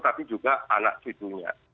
tapi juga anak judulnya